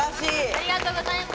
ありがとうございます。